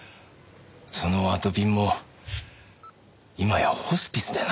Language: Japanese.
そのあとぴんも今やホスピスでな。